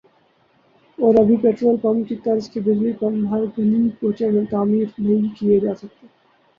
اور ابھی petrol pump کی طرز کے بجلی پمپ ہر گلی کوچے میں تعمیر نہیں کئے جاسکے